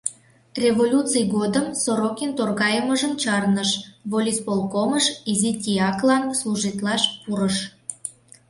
Революций годым Сорокин торгайымыжым чарныш, волисполкомыш изи тияклан служитлаш пурыш.